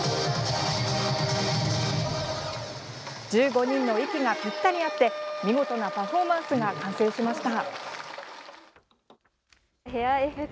１５人の息がぴったり合って見事なパフォーマンスが完成しました。